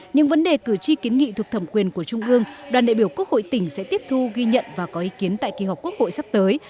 những vấn đề cử tri kiến nghị thuộc thẩm quyền của trung ương đoàn đại biểu quốc hội tỉnh sẽ tiếp thu ghi nhận và có ý kiến tại kỳ họp quốc hội sắp tới